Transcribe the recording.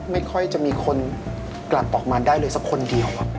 ไม่ค่อยจะมีคนกลับออกมาได้เลยสักคนเดียว